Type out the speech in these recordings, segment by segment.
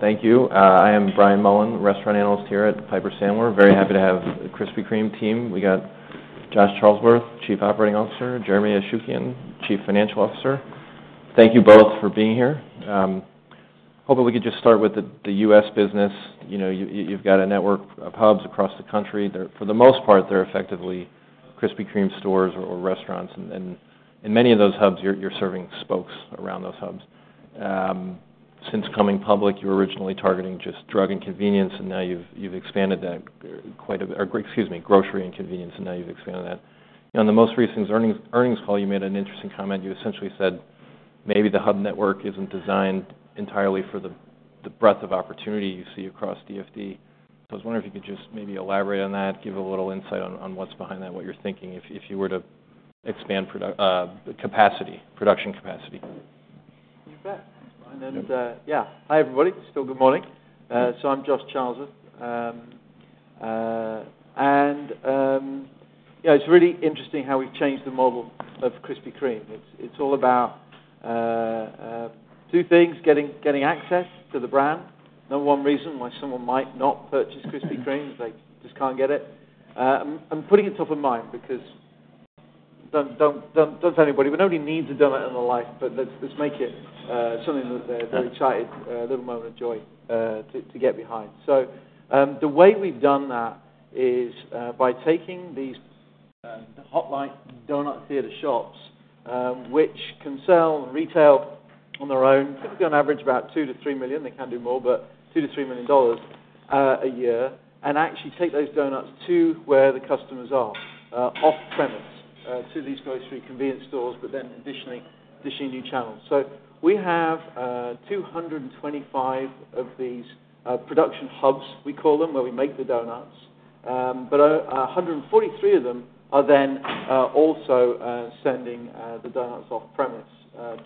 Well, thank you. I am Brian Mullan, restaurant analyst here at Piper Sandler. Very happy to have the Krispy Kreme team. We got Josh Charlesworth, Chief Operating Officer, Jeremiah Ashukian, Chief Financial Officer. Thank you both for being here. Hopefully, we could just start with the US business. You know, you've got a network of hubs across the country that, for the most part, they're effectively Krispy Kreme stores or restaurants. And in many of those hubs, you're serving spokes around those hubs. Since coming public, you were originally targeting just drug and convenience, and now you've expanded that quite a bit, or excuse me, grocery and convenience, and now you've expanded that. On the most recent earnings call, you made an interesting comment. You essentially said, "Maybe the hub network isn't designed entirely for the, the breadth of opportunity you see across DFD." So I was wondering if you could just maybe elaborate on that, give a little insight on, on what's behind that, what you're thinking if you, if you were to expand the capacity, production capacity? You bet, Brian. And, yeah. Hi, everybody. Still good morning. So I'm Josh Charlesworth. And, yeah, it's really interesting how we've changed the model of Krispy Kreme. It's all about two things: getting access to the brand. Number one reason why someone might not purchase Krispy Kreme, they just can't get it. And putting it top of mind because don't tell anybody, but nobody needs a donut in their life, but let's make it something that they're excited, a little moment of joy, to get behind. So, the way we've done that is by taking these Hot Light Theater Shops, which can sell retail on their own, typically on average, about $2-$3 million. They can do more, but $2-$3 million a year, and actually take those donuts to where the customers are, off-premise, to these grocery convenience stores, but then additionally, additionally, new channels. So we have 225 of these production hubs, we call them, where we make the donuts. But 143 of them are then also sending the donuts off-premise.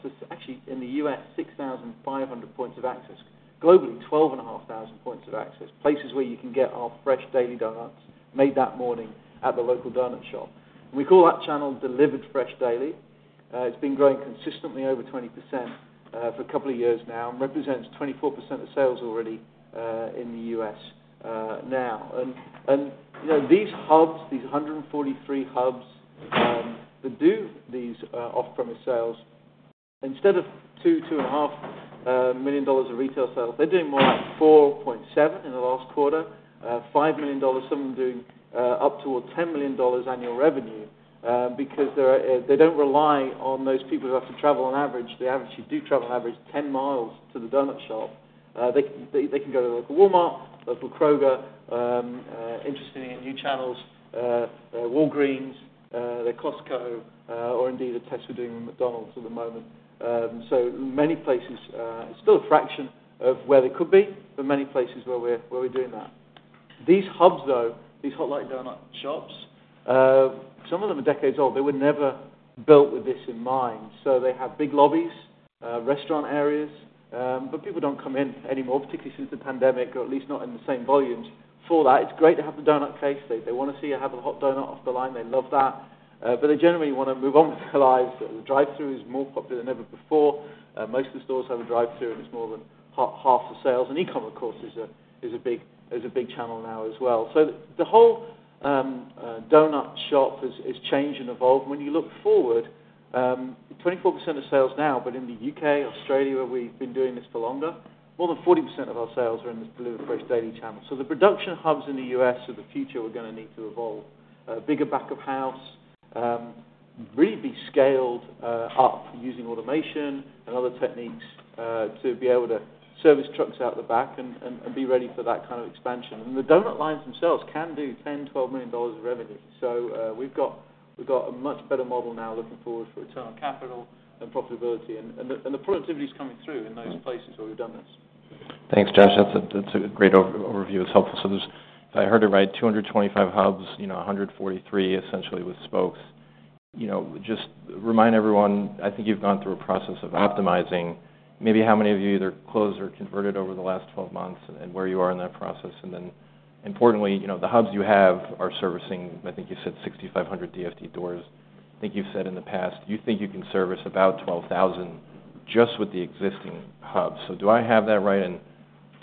Just actually in the U.S., 6,500 points of access. Globally, 12,500 points of access, places where you can get our fresh daily donuts made that morning at the local donut shop. We call that channel Delivered Fresh Daily. It's been growing consistently over 20% for a couple of years now, and represents 24% of sales already in the U.S. now. You know, these hubs, these 143 hubs that do these off-premise sales, instead of $2-$2.5 million of retail sales, they're doing more like $4.7 in the last quarter, $5 million, some of them doing up towards $10 million annual revenue because they don't rely on those people who have to travel on average. They actually do travel on average 10 miles to the donut shop. They can go to local Walmart, local Kroger, interestingly, in new channels, Walgreens, the Costco, or indeed, a test we're doing with McDonald's at the moment. So many places, it's still a fraction of where they could be, but many places where we're doing that. These hubs, though, these Hot Light Donut Shops, some of them are decades old. They were never built with this in mind, so they have big lobbies, restaurant areas, but people don't come in anymore, particularly since the pandemic, or at least not in the same volumes for that. It's great to have the donut case. They want to see and have a hot donut off the line. They love that, but they generally want to move on with their lives. The drive-thru is more popular than ever before. Most of the stores have a drive-thru, and it's more than half the sales. E-commerce, of course, is a big channel now as well. So the whole donut shop has changed and evolved. When you look forward, 24% of sales now, but in the U.K., Australia, we've been doing this for longer, more than 40% of our sales are in this Delivered Fresh Daily channel. So the production hubs in the U.S. of the future are gonna need to evolve. Bigger back of house, really be scaled up using automation and other techniques, to be able to service trucks out the back and be ready for that kind of expansion. And the donut lines themselves can do $10-$12 million of revenue. So, we've got a much better model now looking forward for return on capital and profitability, and the productivity is coming through in those places where we've done this. Thanks, Josh. That's a, that's a great overview. It's helpful. So if I heard it right, 225 hubs, you know, 143, essentially with spokes. You know, just remind everyone, I think you've gone through a process of optimizing, maybe how many of you either closed or converted over the last 12 months and where you are in that process? And then importantly, you know, the hubs you have are servicing, I think you said 6,500 DFD doors. I think you've said in the past, you think you can service about 12,000 just with the existing hubs. So do I have that right? And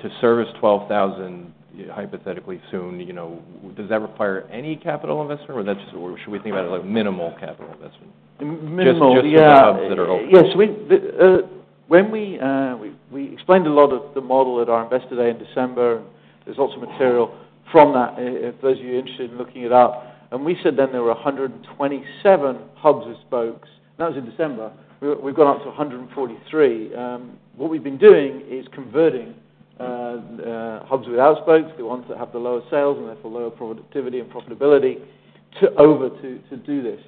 to service 12,000, hypothetically soon, you know, does that require any capital investment, or that's... Should we think about it like minimal capital investment? Minimal, yeah. Just the hubs that are open. Yes, when we explained a lot of the model at our Investor Day in December. There's also material from that, if those of you interested in looking it up, and we said then there were 127 hubs and spokes. That was in December. We've gone up to 143. What we've been doing is converting hubs without spokes, the ones that have the lower sales, and therefore lower productivity and profitability, to do this.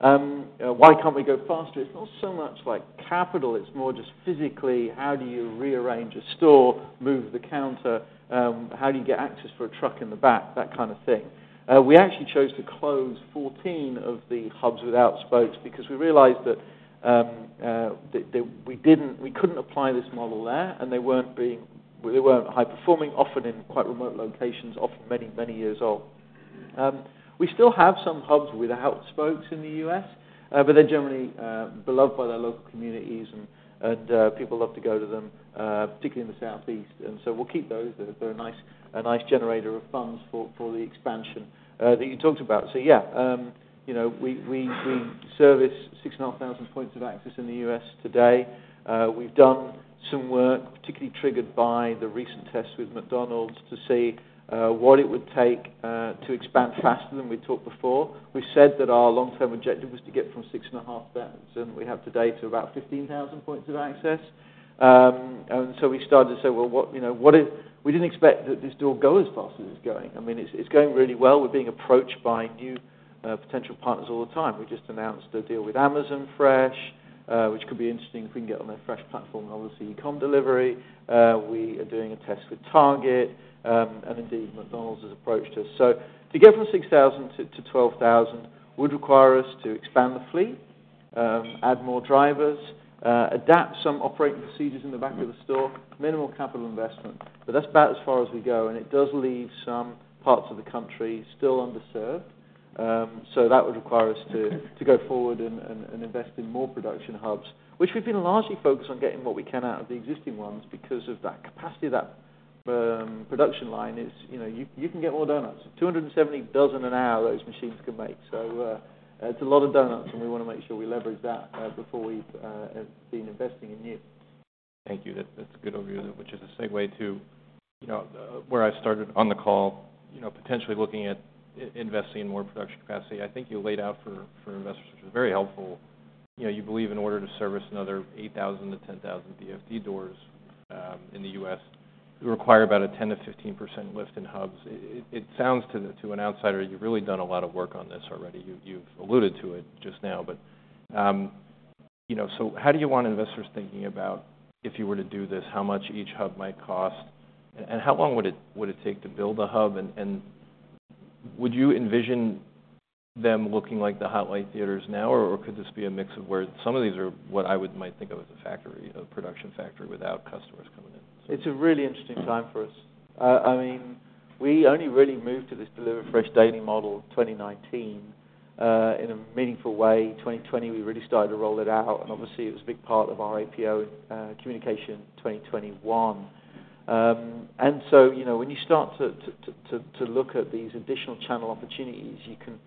Why can't we go faster? It's not so much like capital, it's more just physically, how do you rearrange a store, move the counter, how do you get access for a truck in the back? That kind of thing. We actually chose to close 14 of the hubs without spokes because we realized that we couldn't apply this model there, and they weren't high-performing, often in quite remote locations, often many, many years old. We still have some hubs without spokes in the U.S., but they're generally beloved by their local communities, and people love to go to them, particularly in the Southeast. And so we'll keep those. They're a nice generator of funds for the expansion that you talked about. So yeah, you know, we service 6,500 points of access in the U.S. today. We've done some work, particularly triggered by the recent test with McDonald's, to see what it would take to expand faster than we talked before. We said that our long-term objective was to get from 6,500 we have today to about 15,000 points of access. And so we started to say, well, what, you know, what is—we didn't expect that this would all go as fast as it's going. I mean, it's going really well. We're being approached by new potential partners all the time. We just announced a deal with Amazon Fresh, which could be interesting if we can get on their Fresh platform, and obviously, e-com delivery. We are doing a test with Target, and indeed, McDonald's has approached us. So to get from 6,000 to 12,000 would require us to expand the fleet, add more drivers, adapt some operating procedures in the back of the store, minimal capital investment, but that's about as far as we go, and it does leave some parts of the country still underserved. So that would require us to go forward and invest in more production hubs, which we've been largely focused on getting what we can out of the existing ones because of that capacity, that production line is, you know, you can get more donuts. 270 dozen an hour, those machines can make. So it's a lot of donuts, and we want to make sure we leverage that before we've been investing in new. Thank you. That, that's a good overview, which is a segue to, you know, where I started on the call, you know, potentially looking at investing in more production capacity. I think you laid out for investors, which is very helpful. You know, you believe in order to service another 8,000-10,000 DFD doors, in the U.S., it would require about a 10%-15% lift in hubs. It sounds to an outsider, you've really done a lot of work on this already. You've alluded to it just now, but, you know, so how do you want investors thinking about if you were to do this, how much each hub might cost? And how long would it take to build a hub, and would you envision them looking like the Hot Light Theaters now, or could this be a mix of where some of these are what I might think of as a factory, a production factory without customers coming in? It's a really interesting time for us. I mean, we only really moved to this Delivered Fresh Daily model in 2019. In a meaningful way, in 2020, we really started to roll it out, and obviously, it was a big part of our IPO communication in 2021. And so, you know, when you start to look at these additional channel opportunities, you can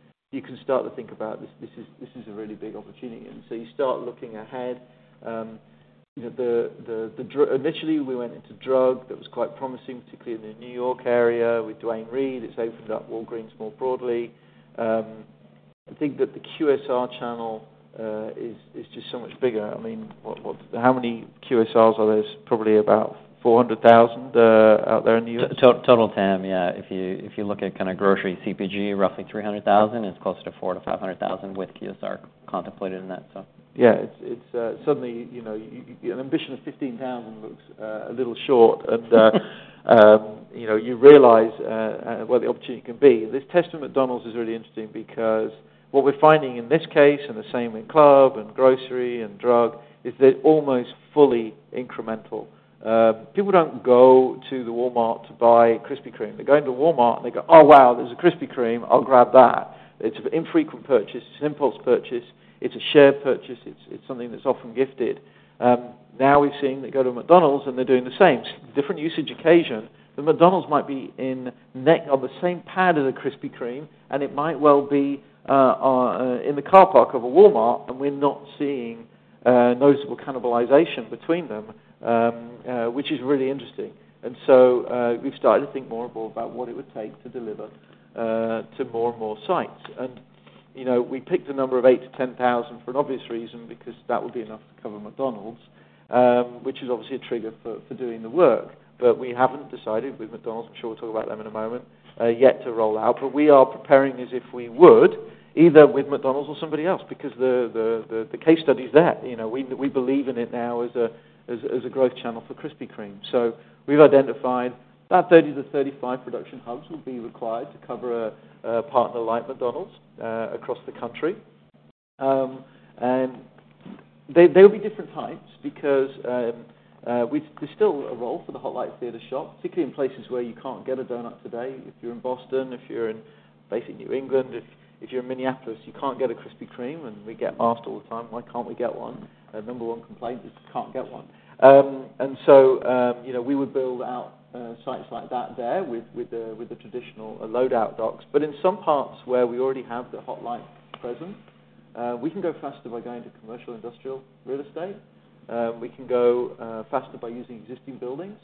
start to think about this, this is a really big opportunity. And so you start looking ahead, the drug initially, we went into drug. That was quite promising, particularly in the New York area with Duane Reade. It's opened up Walgreens more broadly. I think that the QSR channel is just so much bigger. I mean, what, what-- how many QSRs are there? Probably about 400,000 out there in the U.S. Total TAM, yeah. If you, if you look at kind of grocery CPG, roughly 300,000, it's closer to 400,000-500,000 with QSR contemplated in that, so. Yeah, it's suddenly, you know, an ambition of 15,000 looks a little short. And, you know, you realize what the opportunity can be. This test with McDonald's is really interesting because what we're finding in this case, and the same in club and grocery and drug, is they're almost fully incremental. People don't go to the Walmart to buy Krispy Kreme. They go into Walmart and they go, "Oh, wow, there's a Krispy Kreme. I'll grab that." It's an infrequent purchase, it's an impulse purchase, it's a shared purchase, it's something that's often gifted. Now we've seen they go to McDonald's, and they're doing the same. Different usage occasion. The McDonald's might be in next on the same pad as a Krispy Kreme, and it might well be in the parking lot of a Walmart, and we're not seeing noticeable cannibalization between them, which is really interesting. So we've started to think more and more about what it would take to deliver to more and more sites. You know, we picked a number of 8,000-10,000 for an obvious reason, because that would be enough to cover McDonald's, which is obviously a trigger for doing the work. But we haven't decided with McDonald's. I'm sure we'll talk about them in a moment, yet to roll out, but we are preparing as if we would, either with McDonald's or somebody else, because the case study is there. You know, we believe in it now as a growth channel for Krispy Kreme. So we've identified about 30-35 production hubs will be required to cover a partner like McDonald's across the country. And there will be different types because there's still a role for the Hot Light Theater Shop, particularly in places where you can't get a donut today. If you're in Boston, if you're in basically New England, if you're in Minneapolis, you can't get a Krispy Kreme, and we get asked all the time, "Why can't we get one?" Our number one complaint is, you can't get one. And so, you know, we would build out sites like that there with the traditional load-out docks. But in some parts where we already have the Hot Light present, we can go faster by going to commercial industrial real estate. We can go faster by using existing buildings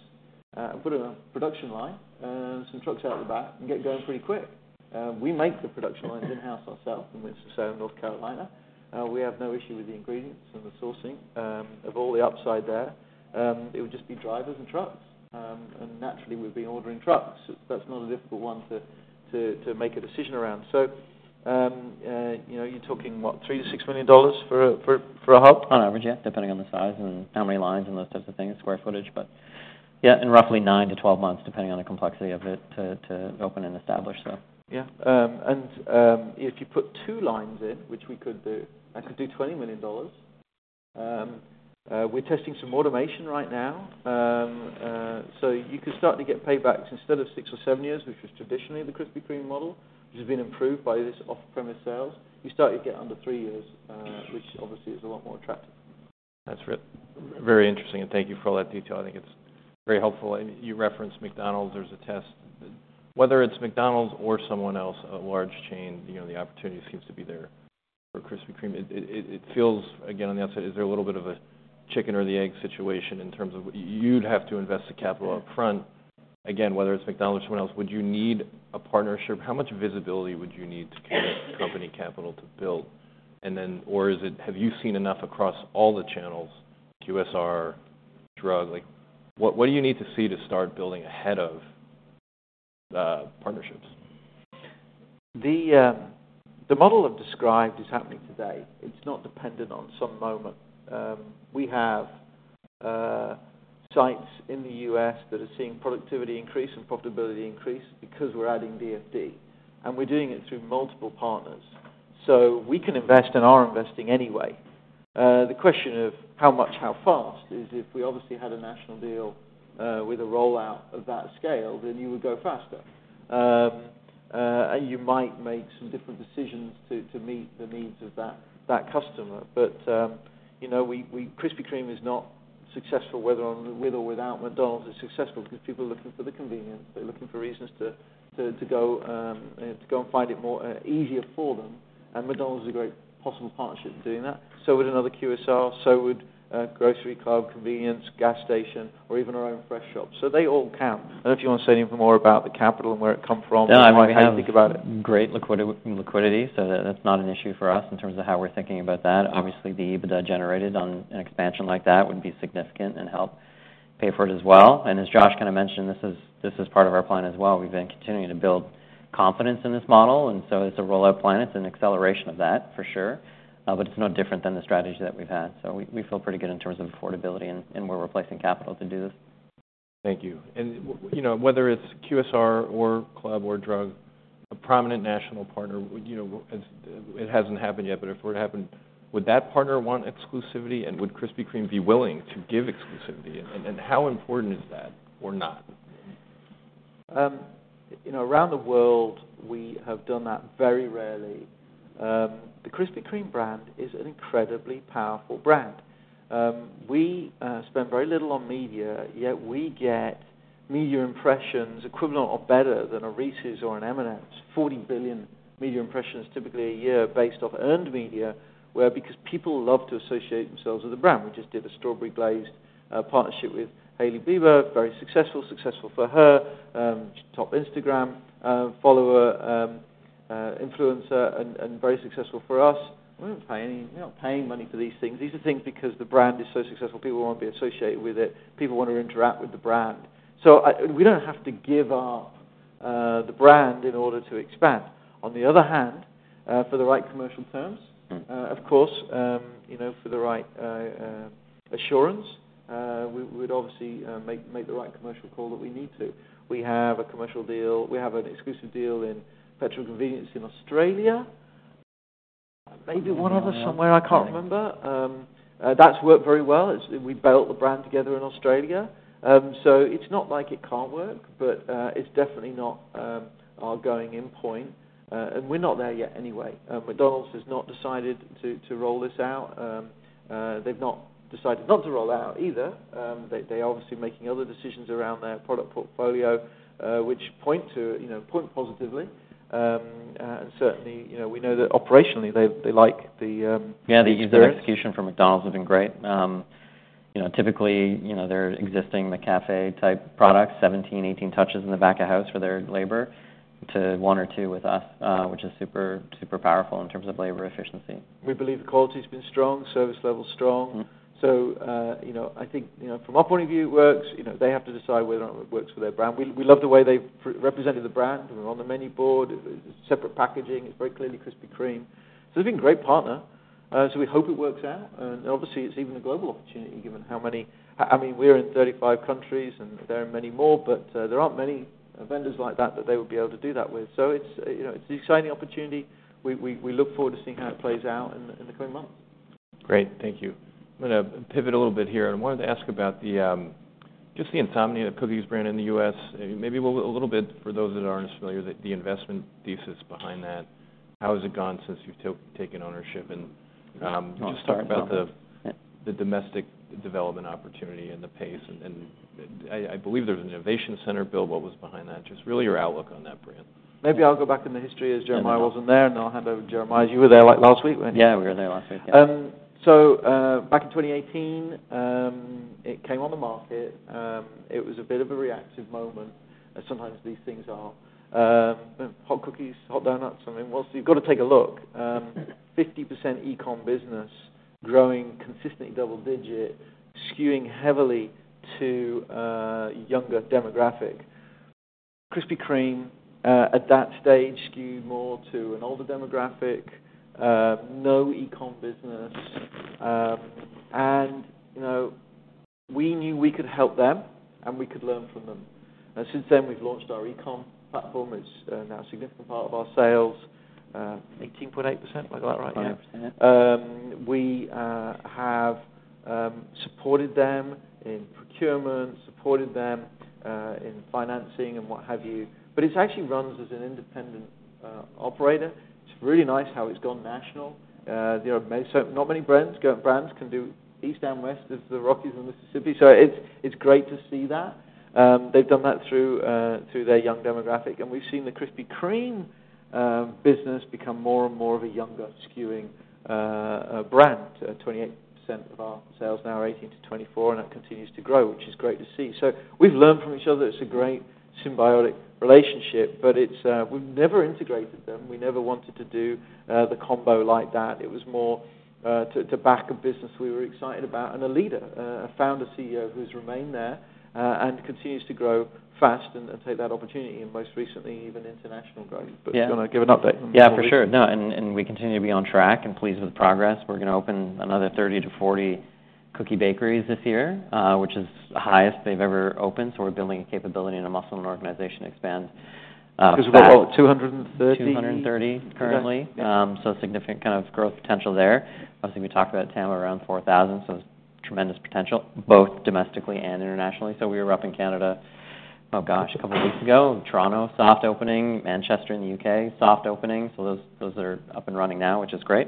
and put a production line, some trucks out the back and get going pretty quick. We make the production lines in-house ourselves, and we're in North Carolina. We have no issue with the ingredients and the sourcing of all the upside there. It would just be drivers and trucks, and naturally, we've been ordering trucks. That's not a difficult one to make a decision around. So, you know, you're talking, what? $3 million-$6 million for a hub? On average, yeah, depending on the size and how many lines and those types of things, square footage. But yeah, in roughly nine to 12 months, depending on the complexity of it, to open and establish, so. Yeah. And, if you put two lines in, which we could do, I could do $20 million.... We're testing some automation right now. So you could start to get paybacks instead of six or seven years, which was traditionally the Krispy Kreme model, which has been improved by this off-premise sales. You start to get under three years, which obviously is a lot more attractive. That's really very interesting, and thank you for all that detail. I think it's very helpful. And you referenced McDonald's, there's a test. Whether it's McDonald's or someone else, a large chain, you know, the opportunity seems to be there for Krispy Kreme. It feels, again, on the outside, is there a little bit of a chicken or the egg situation in terms of you'd have to invest the capital upfront? Again, whether it's McDonald's or someone else, would you need a partnership? How much visibility would you need to commit company capital to build? And then or is it? Have you seen enough across all the channels, QSR, drug? Like, what do you need to see to start building ahead of partnerships? The model I've described is happening today. It's not dependent on some moment. We have sites in the U.S. that are seeing productivity increase and profitability increase because we're adding DFD, and we're doing it through multiple partners. So we can invest and are investing anyway. The question of how much, how fast is, if we obviously had a national deal with a rollout of that scale, then you would go faster. And you might make some different decisions to meet the needs of that customer. But you know, we, Krispy Kreme is not successful, whether on- with or without McDonald's. It's successful because people are looking for the convenience. They're looking for reasons to go and find it more easier for them, and McDonald's is a great possible partnership in doing that. So would another QSR, so would a grocery club, convenience, gas station, or even our own fresh shop. So they all count. I don't know if you want to say any more about the capital and where it come from- No, I mean, we have- -how you think about it. Great liquidity, so that's not an issue for us in terms of how we're thinking about that. Obviously, the EBITDA generated on an expansion like that would be significant and help pay for it as well. As Josh kind of mentioned, this is part of our plan as well. We've been continuing to build confidence in this model, and so it's a rollout plan. It's an acceleration of that, for sure, but it's no different than the strategy that we've had. So we feel pretty good in terms of affordability, and we're replacing capital to do this. Thank you. And, you know, whether it's QSR or club or drug, a prominent national partner, you know, it hasn't happened yet, but if it were to happen, would that partner want exclusivity, and would Krispy Kreme be willing to give exclusivity? And, how important is that or not? You know, around the world, we have done that very rarely. The Krispy Kreme brand is an incredibly powerful brand. We spend very little on media, yet we get media impressions equivalent or better than a Reese's or an M&M's. 40 billion media impressions typically a year based off earned media, where because people love to associate themselves with the brand. We just did a strawberry glaze partnership with Hailey Bieber, very successful. Successful for her, top Instagram follower influencer, and very successful for us. We don't pay any—we're not paying money for these things. These are things because the brand is so successful, people want to be associated with it. People want to interact with the brand. So we don't have to give up the brand in order to expand. On the other hand, for the right commercial terms- Mm-hmm. Of course, you know, for the right assurance, we would obviously make the right commercial call that we need to. We have an exclusive deal in petrol convenience in Australia. Maybe one other somewhere, I can't remember. That's worked very well. We built the brand together in Australia. So it's not like it can't work, but it's definitely not our going in point. And we're not there yet anyway. McDonald's has not decided to roll this out. They've not decided not to roll out either. They, they're obviously making other decisions around their product portfolio, which point to, you know, point positively. And certainly, you know, we know that operationally, they like the Yeah, the execution for McDonald's has been great. You know, typically, you know, their existing McCafé-type products, 17, 18 touches in the back of house for their labor, to one or two with us, which is super, super powerful in terms of labor efficiency. We believe the quality has been strong, service level strong. Mm-hmm. So, you know, I think, you know, from our point of view, it works. You know, they have to decide whether or not it works for their brand. We love the way they've represented the brand, on the menu board, separate packaging, it's very clearly Krispy Kreme. So they've been a great partner, so we hope it works out. And obviously, it's even a global opportunity given how many... I mean, we're in 35 countries, and there are many more, but there aren't many vendors like that, that they would be able to do that with. So it's, you know, it's an exciting opportunity. We look forward to seeing how it plays out in the coming months. Great. Thank you. I'm gonna pivot a little bit here. I wanted to ask about just the Insomnia Cookies brand in the U.S. Maybe a little bit for those that aren't as familiar with the investment thesis behind that. How has it gone since you've taken ownership, and just talk about the domestic development opportunity and the pace, and I believe there's an innovation center build. What was behind that? Just really your outlook on that brand. Maybe I'll go back in the history as Jeremiah wasn't there, and I'll hand over to Jeremiah. You were there, like, last week, weren't you? Yeah, we were there last week. So, back in 2018, it came on the market. It was a bit of a reactive moment, as sometimes these things are. Hot cookies, hot donuts, I mean, well, so you've got to take a look. 50% e-com business, growing consistently double digit, skewing heavily to a younger demographic. Krispy Kreme, at that stage, skewed more to an older demographic, no e-com business, and we knew we could help them, and we could learn from them. And since then, we've launched our e-com platform. It's now a significant part of our sales, 18.8%, like that, right? Yeah. We have supported them in procurement, supported them in financing and what have you, but it actually runs as an independent operator. It's really nice how it's gone national. So not many brands can do east and west as the Rockies and Mississippi, so it's great to see that. They've done that through their young demographic, and we've seen the Krispy Kreme business become more and more of a younger skewing brand. 28% of our sales now are 18-24, and that continues to grow, which is great to see. So we've learned from each other. It's a great symbiotic relationship, but it's... We've never integrated them. We never wanted to do the combo like that. It was more to back a business we were excited about, and a leader, a founder, CEO, who's remained there, and continues to grow fast and take that opportunity, and most recently, even international growth. Yeah. Do you want to give an update? Yeah, for sure. No, and we continue to be on track and pleased with the progress. We're gonna open another 30-40 cookie bakeries this year, which is the highest they've ever opened, so we're building a capability and a muscle and organization expand fast. 'Cause we've got about 230? 230 currently. Yeah. So significant kind of growth potential there. Obviously, we talked about TAM around 4,000, so it's tremendous potential, both domestically and internationally. So we were up in Canada, oh, gosh, a couple of weeks ago. Toronto, soft opening; Manchester in the U.K., soft opening. So those are up and running now, which is great.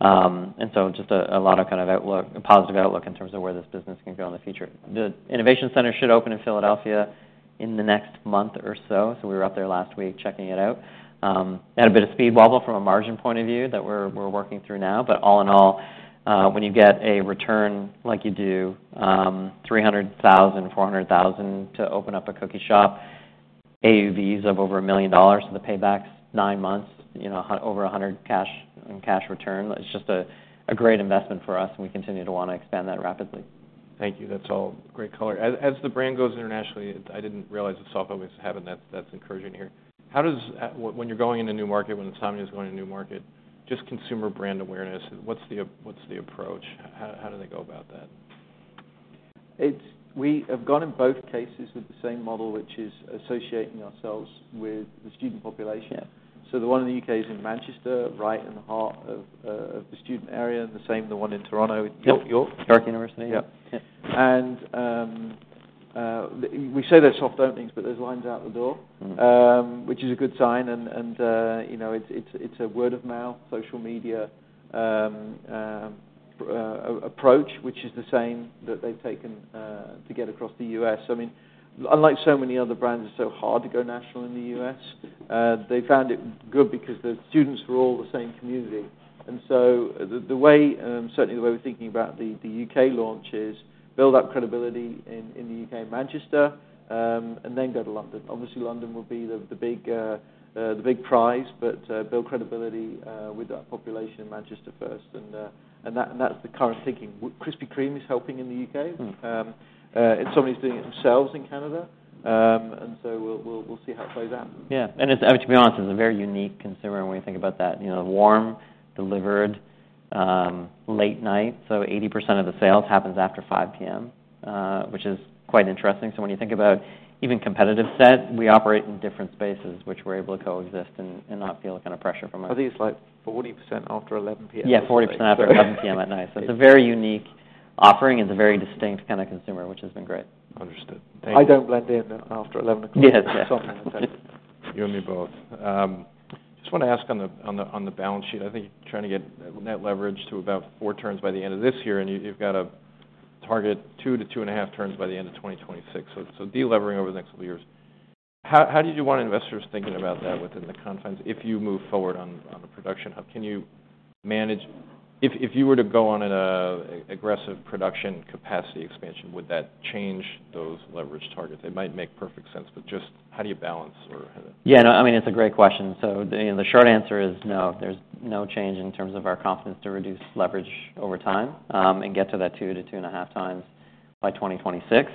And so just a lot of kind of outlook, a positive outlook in terms of where this business can go in the future. The innovation center should open in Philadelphia in the next month or so. So we were up there last week, checking it out. Had a bit of speed wobble from a margin point of view that we're working through now. But all in all, when you get a return like you do, $300,000-$400,000 to open up a cookie shop, AUVs of over $1 million, so the payback's nine months, you know, over 100 cash-on-cash return. It's just a great investment for us, and we continue to want to expand that rapidly. Thank you. That's all great color. As the brand goes internationally, I didn't realize the soft openings were happening. That's encouraging to hear. How does... when you're going in a new market, when Insomnia is going in a new market, just consumer brand awareness, what's the approach? How do they go about that? We have gone in both cases with the same model, which is associating ourselves with the student population. Yeah. So the one in the U.K. is in Manchester, right in the heart of the student area, and the same, the one in Toronto- Yep... York. York University. Yep. Yeah. We say they're soft openings, but there's lines out the door. Mm-hmm Which is a good sign, and you know, it's a word-of-mouth, social media approach, which is the same that they've taken to get across the U.S. I mean, unlike so many other brands, it's so hard to go national in the U.S. They found it good because the students were all the same community. And so the way, certainly the way we're thinking about the U.K. launch is build up credibility in the U.K., Manchester, and then go to London. Obviously, London will be the big prize, but build credibility with that population in Manchester first, and that's the current thinking. Krispy Kreme is helping in the U.K. Mm. Insomnia is doing it themselves in Canada. And so we'll see how it plays out. Yeah, and it's... To be honest, it's a very unique consumer when you think about that, you know, warm, delivered, late night. So 80% of the sales happens after 5 P.M., which is quite interesting. So when you think about even competitive set, we operate in different spaces, which we're able to coexist and not feel a kind of pressure from it. I think it's like 40% after 11 P.M. Yeah, 40% after 11 P.M. at night. So it's a very unique offering, and it's a very distinct kind of consumer, which has been great. Understood. Thank you. I don't blend in after 11 o'clock. Yes, yeah. Sorry about that. You and me both. Just want to ask on the balance sheet. I think you're trying to get net leverage to about four turns by the end of this year, and you've got to target 2-2.5 turns by the end of 2026. So delevering over the next couple of years. How did you want investors thinking about that within the confines, if you move forward on the production? How can you manage? If you were to go on an aggressive production capacity expansion, would that change those leverage targets? It might make perfect sense, but just how do you balance or how Yeah, no, I mean, it's a great question. So the short answer is no. There's no change in terms of our confidence to reduce leverage over time, and get to that 2-2.5 times by 2026.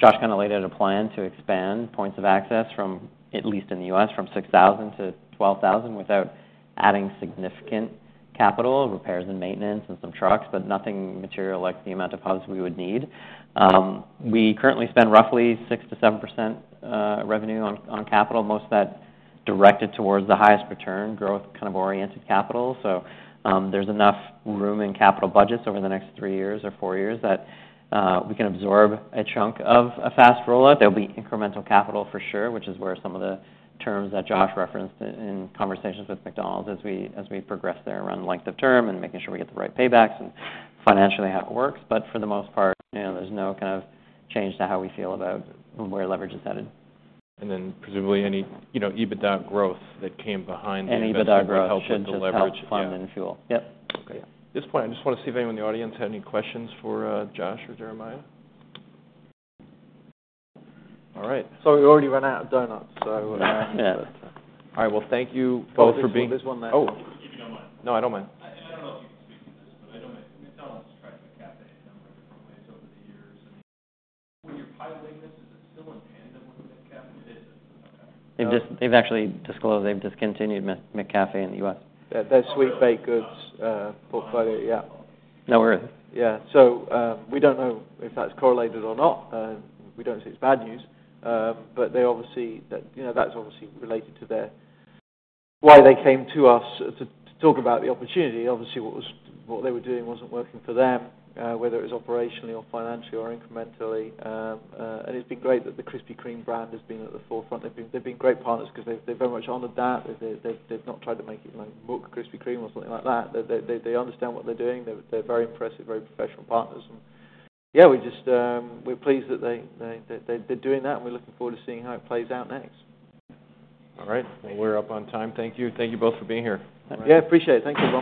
Josh kind of laid out a plan to expand points of access from, at least in the U.S., from 6,000 to 12,000 without adding significant capital, repairs and maintenance and some trucks, but nothing material like the amount of hubs we would need. We currently spend roughly 6%-7% revenue on capital, most of that directed towards the highest return growth kind of oriented capital. So, there's enough room in capital budgets over the next three years or four years that we can absorb a chunk of a fast rollout. There'll be incremental capital for sure, which is where some of the terms that Josh referenced in conversations with McDonald's as we progress there around length of term and making sure we get the right paybacks and financially how it works. But for the most part, you know, there's no kind of change to how we feel about where leverage is headed. And then presumably any, you know, EBITDA growth that came behind- Any EBITDA growth- Should help with the leverage.... should just help fund and fuel. Yep. Okay. At this point, I just want to see if anyone in the audience had any questions for Josh or Jeremiah. All right. We've already run out of donuts, so. Yeah, that's- All right. Well, thank you both for being- Well, there's one last one. Oh. If you don't mind. No, I don't mind. I don't know if you can speak to this, but I know McDonald's tried McCafé in a number of different ways over the years. When you're piloting this, is it still in tandem with McCafé? It is. Okay. They've actually disclosed they've discontinued McCafé in the U.S. Yeah, their sweet baked goods- Oh, really?... portfolio, yeah. Nowhere. Yeah. So, we don't know if that's correlated or not. We don't see it's bad news, but they obviously... That, you know, that's obviously related to their, why they came to us to talk about the opportunity. Obviously, what was, what they were doing wasn't working for them, whether it was operationally or financially or incrementally. And it's been great that the Krispy Kreme brand has been at the forefront. They've been great partners because they've very much honored that. They've not tried to make it like McCrispy Kreme or something like that. They understand what they're doing. They're very impressive, very professional partners, and yeah, we're just, we're pleased that they, they've been doing that, and we're looking forward to seeing how it plays out next. All right. Well, we're up on time. Thank you. Thank you both for being here. Yeah, appreciate it. Thank you.